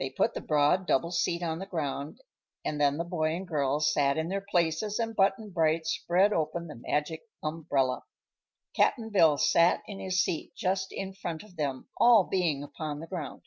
They put the broad double seat on the ground and then the boy and girl sat in their places and Button Bright spread open the Magic Umbrella. Cap'n Bill sat in his seat just in front of them, all being upon the ground.